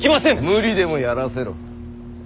無理でもやらせろ。